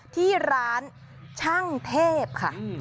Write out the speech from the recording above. ที่ร้านช่างเทพค่ะ